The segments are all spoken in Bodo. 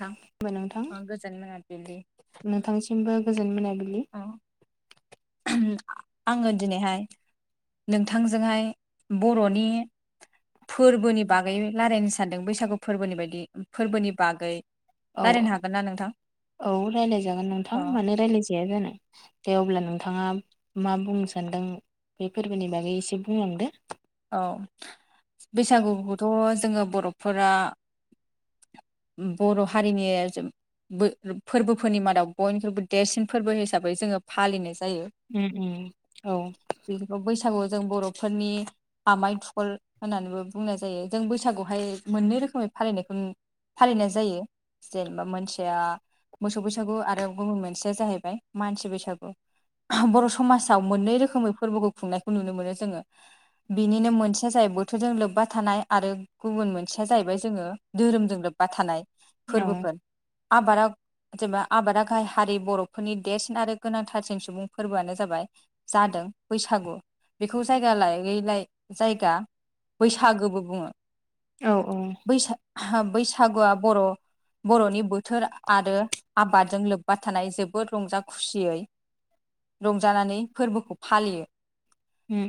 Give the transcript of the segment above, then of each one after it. नोंथां खुलुमबाय नोंथां ओं गोजोन मोनाबिलि। नोंथांसिमबो गोजोन मोना आङो दिनैहाय नोंथांजोंहाय बर'नि फोरबोनि बागै रायलायनो सानदों बैसागु फोरबोनि बायदि फोरबोनि बागै। औ रायज्लायनो हागोन ना नोंथां? औ रायज्लायजागोन नोंथां अ मानो रायज्लाय जाया जानो दे अब्ला नोंथाङा मा बुंनो सानदों बेफोरबोनि बागै एसे बुंलांदो। औ बैसागुखौथ' जोङो बर'फोरा बर' हारिनि बो फोरबोफोरनि मादाव बयनिख्रुइबो देरसिन फोरबो हिसाबै जोङो फालिनाय जायो। उम उम औ। बैसागुआव जों बर'फोरनि आमाय थुखुल होननानैबो बुंनाय जाय जायो जों बैसागुआवहाय मोननै रोखोमै फालिनायखौ फालिनाय जायो जेनेबा मोनसेया मोसौ बैसागु आरो गुबुन मोनसेया जाहैबाय मानसि बैसागु [unintelligible] बर' समाजाव मोननै रोखोमै फोरबोखौ खुंनाय नुनो मोनो जोङो बेनिनो मोनसेया जाहै बोथोरजों लोब्बा थानाय आरो गुबुन मोनसेया जाहैबाय जोङो धोरोमजों लोब्बा थानाय औ फोरबोफोर आबादा जेनबा आबादा गाहाय हारि बर'फोरनि देरसिन आरो गोनांथारसिन सुबुं फोरबोआनो जाबाय जादों बैसागु बेखौ जायगा लायै लायै जायगा बैसागोबो बुङो औ औ। बैसा बैसागुआ आ बर' बर'नि बोथोर आरो आबादजों लोब्बा थानाय जोबोद रंजा खुसियै रंजानानै फोरबोखौ फालियो। उम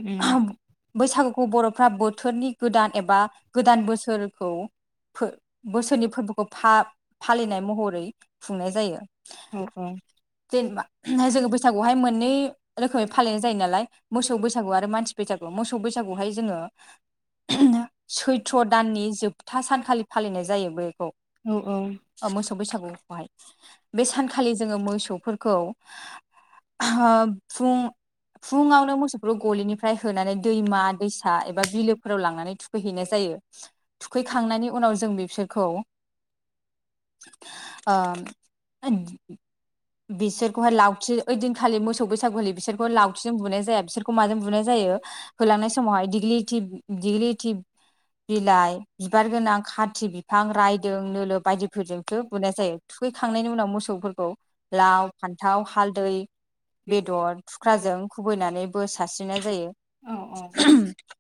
उम बैसागुखौ बर'फ्रा बोथोरनि गोदान एबा गोदान बोसोरखौ फो बोसोरनि फोरबोखौ फा फालिनाय महरै खुंनाय जायो [unintelligible] जेनेबा जों बैस सागु हाय मोननै रोखोमै फालिनाय जायो नालाय मोसौ बैसागु आरो मानसि बैसागु। मोसौ बैसागुहाय जोङो [unintelligible] सैथ्र दाननि जोबथा सानखालि फालिनाय जायो ओमफाय बेखौ। औ औ मोसौ बैसागुखौहाय बे सानखालि जोङो मोसौ फोरखौ ओहो फुं फुङावनो मोसौफोरखौ गलिनिफ्राय होनानै दैमा दैसा एबा बिलोफोराव लांनानै थुखैहैनाय जायो थुखैखांनायनि उनाव जो जों बिसोरखौ ओ [unintelligible] बिसोरखौहाय लावथि ओदि खालि मोसौ बैसागुलि बिसोरखौ लावथिजों बुनाय जाया बिसोरखौ माजों बुनाय जायो होलांनाय समावहाय दिग्लिथिब दिग्लिथिब बिलाइ बिबार गोनां खाथि बिफां रायदों नोल बायदिफोरजोंसो बुनाय जायो थुखैखांनायनि उनाव मोसौफोरखौ लाव फान्थाव हालदै बेदर थुख्राजों खुबैनानै बो सारस्रिनाय जायो। [unintelligible]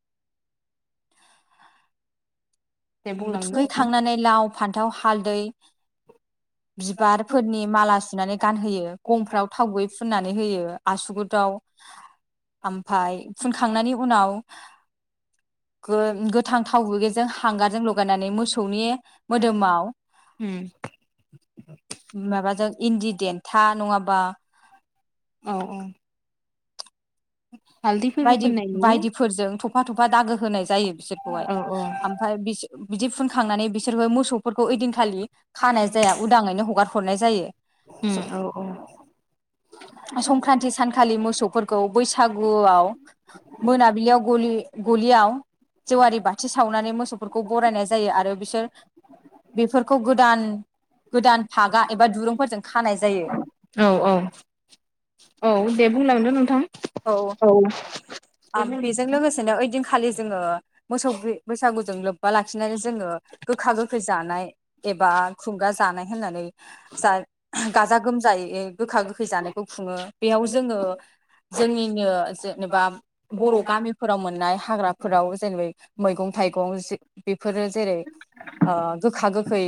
दे बुंलांदो नोंथां थुखैखांनानै लाव फान्थाव हालदै [inaudible] बिबारफोरनि माला सुनानै गानहोयो गंफ्राव थाव गुयै फुननानै होयो आसुगुदाव ओमफाय फुनखांनायनि उनाव गो गोथां थाव गुगैजों हांगार जों लगायनानानै मोसौनि मोदोमाव उम माबाजों इनदि देन्था नङाबा औ औ हालदैफोरबो बायदि फोननाय नुयो बायदिफोरजों थफा थफा दागो होनाय जायो बिसोरखौहाय औ औ ओमफाय बिसो बि दि फुनखांनानै बिसोरबो मोसौफोरखौ ओइदिनखालि खानाय जाया उदाङैनो हगार हरनाय जायो उम स औ संक्रान्ति सानखालि मोसौ फोरखौ बैसागुआव मोनाबिलियाव गलि गलियाव जेवारि बाथि सावनानै मोसौफोरखौ बरायनाय जायो आरो बिसोर बेफोरखौ गोदान गोदान फागा एबा दुरुंफोरजों खानाय जायो। औ औ औ दे बुंलांदो नोंथां औ ओबेजों लोगोसेनो ओइदिनखालि जोङो मोसौ बैसागु जों लोब्बा लाखिनानै जोङो गोखा गोखै जानाय एबा खुंगा जानाय होननानै जा गाजा गोमजायै गोखा गोखै जानायखौ खुङो बेयाव जोङो जोंनिनो जेनेबा बर' गामिफोराव मोननाय हाग्राफोराव जेनैब मैगं थाइगं बेफोरो जेरै ओ गोखा गोखै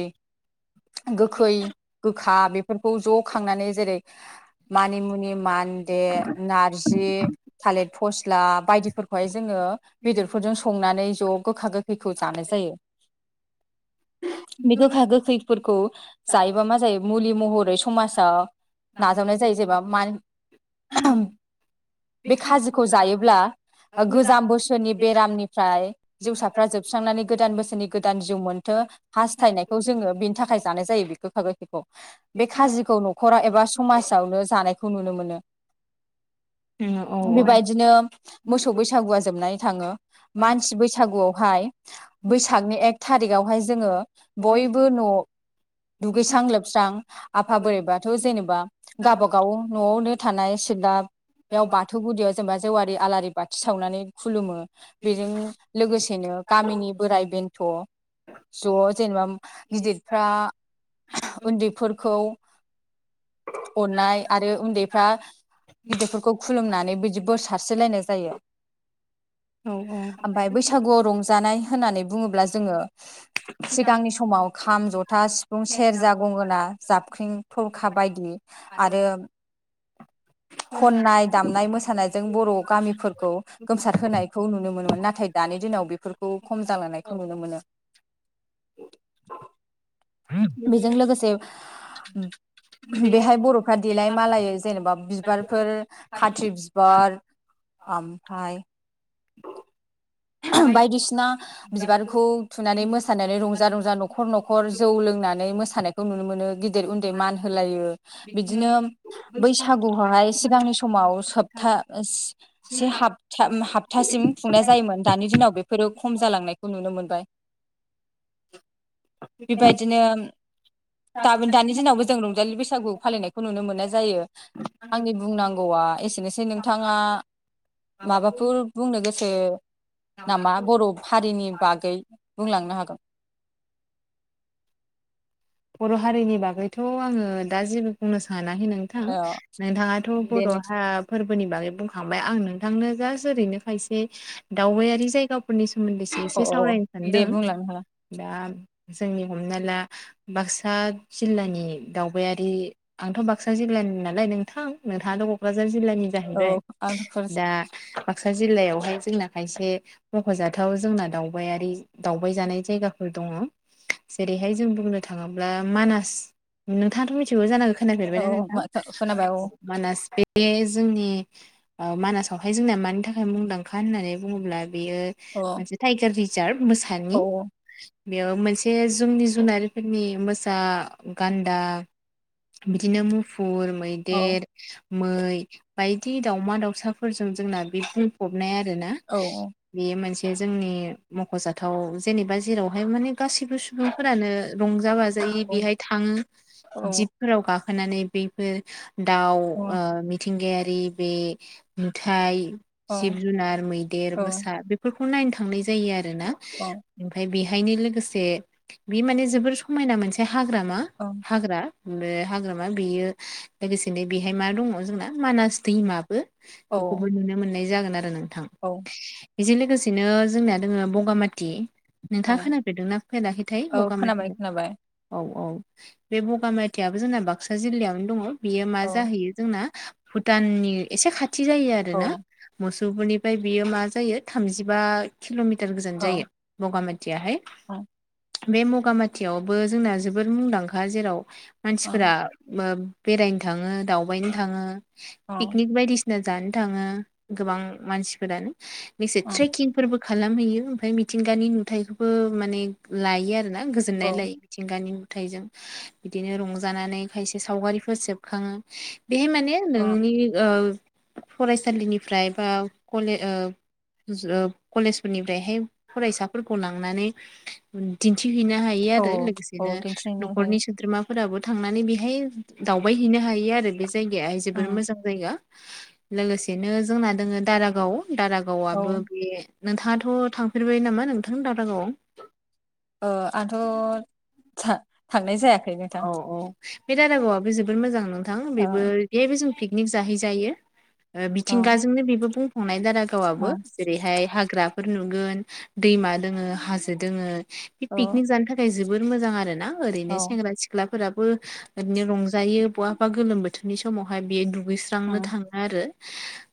गोखै गोखा बेफोरखौ ज' खांनानै जेरै मानिमुनि मा मान्दे नारजि थालेथ फस स्ला बायदिफोरखौहाय जोङो बेदरफोरजों संनानै ज' गोखा गोखैखौ जानाय जायो बे गोखा गोखैफोरखौ जायोबा मा जायो मुलि महरै स समाजाव नाजावनाय जायो जेनबा म बे खाजिखौ जायोब्ला गोजाम बोसोरनि बेरामनिफ्राय जिउसारफ्रा जोबस्रांनानै गोदान बोसोरनि गोदान जिउ मोनथों हास्थायनायखौ जोंङो बिनि थाखाय जानाय जायो बे गोखा गोखैखौ बे खाजिखौ न'खराव एबा समाजावनो जानायखौ नुनो मोनो औ औ बेबायदिनो मोसौ बैसागुआ जोबनानै थाङो मानसि बैसागुआवहाय बैसागनि एक थारिखआवहाय जोङो बयबो न' दुगैस्रां लोबस्रां आफा बोरैबाथ' जेनेबा गावबागाव न'आवनो थानाय सिबलायाव बाथौ गुदियाव जेनेबा जेवारि आलारि बाथि सावनानै खुलुमो बेजों लोगोसेनो गामिनि बोराय बे थ' ज' जेनेबा गिदिरफ्रा उन्दैफोरखौ अननाय आरो उन्दैफ्रा गिदिरफोरखौ खुलुमनानै बिदि बोरस सारसस्रिलायनाय जायो औ औ ओमफ्राय बैसागुआव रंजानाय होननानै बुङोब्ला जोङो सिगांनि समाव खाम जथा सिफुं सेरजा गंगोना जाबख्रिं थरखा बायदि आरो खननाय दामनाय मोसानाय जों बर' गामिफोरखौ गोमसार होनायखौ नुनो मोनोमोन नाथाय दानि दिनाव बेफोरखौ खम जालांनायखौ नुनो मोनो बेजों लोगोसे बेहाय बर'फ्रा देलाय मालाय जेनेबा बिबारफोर खात्रि बिबार ओमफाय बायदिसिना बिबारखौ थुनानै मोसानानै रंजा रंजा न'खर न'खर जौ लोंनानै नानै मोसानायखौ नुनो मोनो ग गेदेर उन्दै मान होलायो बिदिनो बैसागुआवहाय सिगांनि समाव सफथा हफतासिम खुंनाय जायोमोन दानि दिनाव बेफोरो खम जालांनायखौ नुनो मोनबाय बेबायदिनो दाबो दानि दिनावबो जों रंजालि बैसागु फालिनायखौ नुनो मोननाय जायो आंनि बुंनांगौआ एसेनोसै नोंथाङा माबाफोर बुंनो गोसो नामा बर' हारिनि बागै बुंलांनो हागोन बर' हारिनि बागैथ' आङो दा जेबो बुंनो सान माने नोंथां ओ नोंथाङाथ' दे बर' हा फोरबोनि बागै बुंखांबाय आं थांनो जास्ट ओरैनो खायसे दावबायारि जायगाफोरनि सोमोन्दैसो अ एसे औ सावरायनो दे सानदों बुंलांनो हाला दा जोंनि हमना ला बाक्सा जिल्लानि दावबायारि आंथ' बाक्सा जिल्लानि नालाय नोंथां नोंथाङाथ' क'क्राझार जिल्लानि जाहैबाय औ आं दा बाक्सा जिल्लायावहाय जोंना खायसे मख'जाथाव जोंना दावबायारि दावबाय जानाय जायगाफोर दङ जेरैहाय जों बुंनो थाङोब्ला मानास नोंथाङाथ' मिथिगौ जानांगौ औ खोनाफेरबायना नोंथां मा खोनाबाय औ मानास बे जोंनि ओ मानासावहाय जोंनाया मानि थाखाय मुंदांखा होननानै बुङोब्ला बेयो मोनसे टाइगार रिजार्भ औ मोसानि बेयाव मोनसे जोंनि जुनार फोरनि मोसा गान्दा बिदिनो मुफु फुर औ मैदेर मै बायदि दाावमा दाउसाफोरजों जोंना बे बुंफबनाया आरोना औ बेयो मोनसे जोंनि मख'जाथाव जेनेबा जेरावहाय माने गासोयबो सुबुंफोरानो रंजाबाजा। ज बेहाय थाङो औ जिबफोराव गाखोनानै बैफोर। दाउ औ मिथिंगायारि बे नुथाय। जिब जुनार मैदेर औ मोसा बेफोरखौ नायनो थांनाय जायो आरोोना ओमफ्राय बेहा हथायनि लोगोसे बे माने जोबोर समायना मोनसे हाग्रा मा हाग्रा। बे हाग्रामा बेयो लोगोसेनो बेहाय मा दङ जोंना मानास दैमाबो। औ बेखौबो नुनो मोननाय जागोन आरो नोंथां औ बेजों लोगोसेनो जोंनिया। दोङो बगामाथि औ नोंथाङा खोनाफेरदोंना फैराखैथाय औ बगामाथि। खोनाबाय खोनाबाय। औ औ बे बगामेथायाइयाबो जोंना बाक्सा जिल्लायावनो दङ बेयो मा औ जाहैयो जोंना। भुटाननि एसे खाथि जायो औ आरोना मसु लपुरनिफ्राय बियो मा जायो थामजिबा किल'मिटार। औ गोजानजायो बगामातियाहाय औ बे बगामातियाहाय। खाुथियावबो जोंना जोबोर मुंदांखा जेराव मानसिफोरा। बेरायनो थाङो दावबायनो थाङो पिकनिक बायदिसिना। जानो थाङो गोबां मानसिफोरानो बे लोगोसे ट्रेकिंफोरबो खालामहैयो। ओमफ्राय मिथिंगानि नुथायाइखौबो माने लायो आरो ना गोजोननाय लायो मिथिंगानि। नुथाइजों बिदिनो रंजानानै खायसे सावगारिफोर सेबखाङो। बेहाय माने औ नोंनि ओ फरायसालिनिफ्राय बा कले ओ। कलेज फोरनिफ्रायहाय फरायसाफोरखौ लांनानै दिन्थिहैनो हायो। औ आरो औ लोगोसेनो दिन्थिनो हायो न'खरनि सोद्रोमा। फोराबो थांनानै बेहाय दावबायहैनो हायो आरो बे जायगायाहाय जोबोर उम मोजां जायगा। लोगोसेनो जोंना दोङो दारागाव औ दारागावबो बे। नोंथाङाथ' थांफेरबाय नामा नोंथां दावरागावआव। आं आंथ'। थांनाय जायाखै नोंथां औ औ बे दारागावाबो जोबोद मोजां नोंथां औ बेबो बे जों। पिकनिक जाहैजायो ओ औ मिथिंगाजोंनो बेबो बुंफुंनाय। दारागावाबो औ जेरैहाय हाग्राफोर नुगोन दैमा दोङो हाजो दोङो। बे औ पिकनिक जानो थाखाय जोबोर मोजां आरो ना। औ ओरैनो सेंग्रा सिख्लाफोराबो ओरैनो रंजायो बहाबा गोलोम बोथोरनि समावहाय बेयो। दुगैस्रांनो औ थाङो आरो।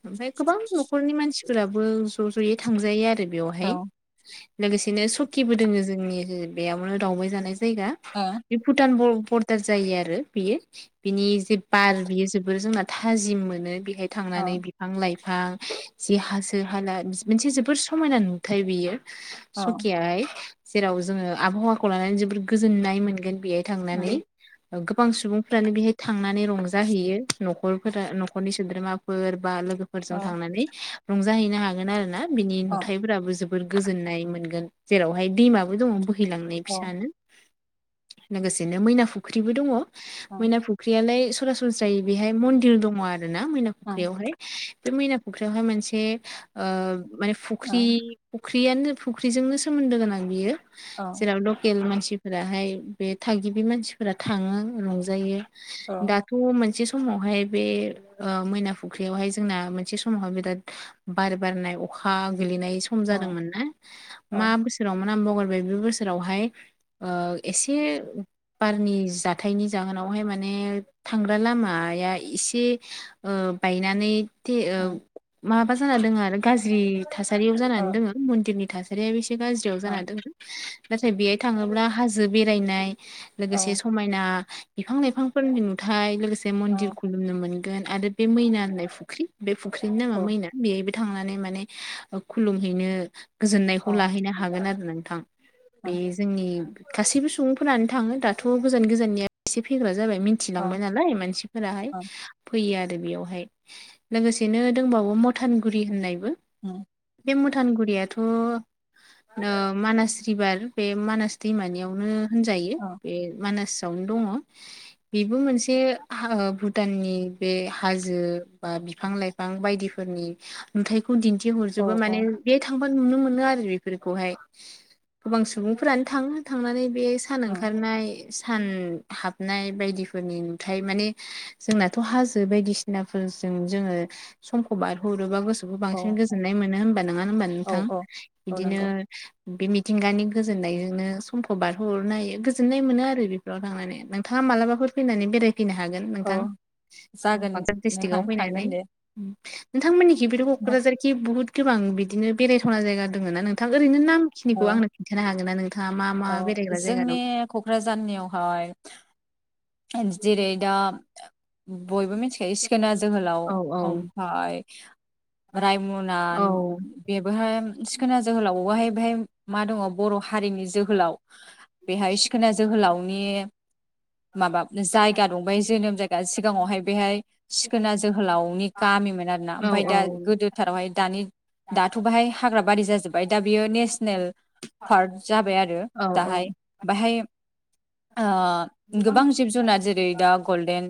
ओमफफ्राय गोबां न'खरनि मानसिफोराबो ज' ज'यै थांजायो आरो बेवहाय ओ लोगोसे। बिदिनो सकिबो दोङो जोंनि बेयावनो दावबाय जानाय जायगा बे भुटान बरदार। जायो आरो बियो बिनि जे बार बियो जोबोर जोंना थाजिम मोनो। बेहाय थांनानै औ बिफां लाइफां। बिफां जि हासो हाला मोनसे जोबोर समायना नुथाय बियो। औ सकियाहाय जेराव जोङो आबहावाखौ लानानै जोबोर गोजोननाय मोनगोन। बेहाय औ थांनानै गोबां सुबुंफ्रानो बेहाय थांनानै रंजाहैयो। न'खरफोरा न'खरनि सोद्रोमाफोर बा लोगोफोरजों थांनानै रंजाहैनो हागोन आरो ना। बिनि औ नुथाइफोराबो जोबोर गोजोननाय मोनगोन जेरावहाय दैमाबो दङ बोहैलांनाय औ फिसानो। लोगोसेनो मैना फुख्रिबो दङ मैना फुख्रियालाय। सरासनस्रै बेहाय मन्दिर दङ आरो ना मैना फुख्रियावहाय। बे मैना फुख्रियावहाय मोनसे माने फुख्रि फुख्रियानो। फुख्रिजोंनो सोमोन्दो गोनां बियो जेराव लकेल मानसि। फोराहाय बे थागिबि मानसि थाङो रंजायो दाथ' मोनसे। समावहाय बे मैना फुख्रियावहाय जोंना मोनसे समावहाय बिराद बार बारनाय अखा। गोलैनाय सम जादोंमोन ना मा बोसोरावमोन आं बगारबाय बे बोसोरावहाय। एसे बारनि जा। हाथथायनि जाहोनावहाय माने थांग्रा लामाया एसे बायनानै। ओ माबा जाना दोङो आरो गाज्रि थासारियाव जानानै दोङो मन्दिरनि थासारिया बेसे गाज्रियाव जाना दोङो नाथाय बेहाय थाङोब्ला हाजो बेरायनाय लोगोसे समायना बिफां लाइफांफोरनि नुथाय लोगोसे मन्दिर खुलुमनो मोन गोन आरो बे मैना होननाय फुख्रि बे फुख्रिनि नामा मैना बेहाय थांनानै माने खुलुमहैनो गोजोननायखौ लाहैनो हागोन आरो नोंथां बे जोंनि गासैबो सुबुंफोरानो थां ङो दाथ' गोजान गोजाननिया एसे फैग्रा जाबाय मिथिलांबाय नालाय मानसिफोराहाय फैयो आरो आरो बेयावहाय लोगोसेनो दंबावो मथानगुरि होननाय बे मुथानगुरियाथ' ओ मानास बिबार बे मानास दैमानियावनो होनजायो बे मानासावनो दङ बेबो मोनसे भुटाननि बे हाजो बा बिफां लाइफां बायदिफोरनि नुथायखौ खौ दिन्थि हरजोबो माने बे थांबा नुनो मोनो आरो बेफोरखौहाय गोबां सुबुंफोरानो थाङो थांनानै बे सान ओंखारनाय सान हाबनाय बायदिफोरनि नुथाय माने जोंनाथ' हाजो बायदिसिनाफोर जों जोङो समखौ बारहरोबा गोस खौबो बांसिन गोजोन्नाय मोनो होमबा नङा होमबा नोंथां बिदिनो नंगौ बे मिथिंगानि गोजोननायजों नो समखौ बारहरनो हायो गोजोननाय मोनो आरो बेफोराव थांनानै नोंथाङा मालाबाफोर फैनानै बेराय फैनो हागोन औ नोंथां। जागोन बाक्सा नोंथां डिस्ट्रिकआव फैनानै थांगोन दे नोंथांमोननिखिबो नोंथां क'क्राझारखि बुहुद गोबां बिदिनो बेरायथावना जायगा दङना नोंथां ओरैनो नामखिनिखौ आंनो खिन्थानो हागोना नों अ जोंनि क'क्राझारनियावहाय जेरै दा बयबो मिथिखायो सिखोना जोहोलाव औ औ ओमफाय रायमना औ बेबोहाय सिखोना जोहोलावहाय बेहाय मा दङ बर' हारिनि जोहोलाव बेहाय सिखोना जोहोलावनि माबा जायगा दंबाय जोनोम जायगा सिगाङावहाय बेहाय सिखोना जोहोलावनि गामिमोन आरोना औ ओमफाय औ दा गोदोथारावहाय दानि दाथ' बेाहाय हाग्रा बारि जाजोब्बाय दा बियो नेसनेल पार्क जाबाय आरो औ औ दाहाय बेहाय ओ गोबां जिब जुनार जेरै दा गल्डेन